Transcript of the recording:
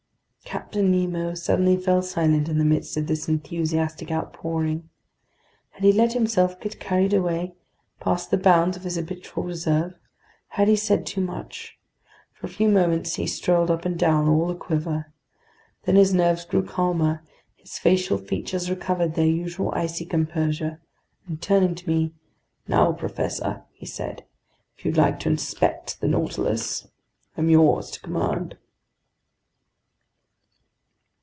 Captain Nemo suddenly fell silent in the midst of this enthusiastic outpouring. Had he let himself get carried away, past the bounds of his habitual reserve? Had he said too much? For a few moments he strolled up and down, all aquiver. Then his nerves grew calmer, his facial features recovered their usual icy composure, and turning to me: "Now, professor," he said, "if you'd like to inspect the Nautilus, I'm yours to command."